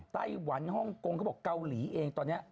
ไต้หวันฮ่องกงเขาบอกเกาหลีเองตอนนี้